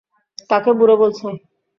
কাকে বুড়ো বলছো?